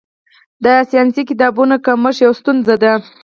د ساینسي کتابونو کمښت یوه ستونزه ده.